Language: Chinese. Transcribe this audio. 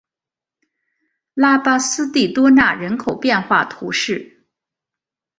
拉巴斯蒂多纳人口变化图示